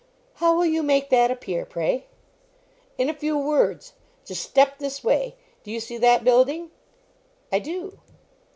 "How will you make that appear, pray?" "In a few words. Just step this way. Do you see that building?" "I do."